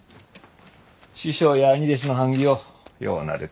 師匠や兄弟子の版木をようなでとった。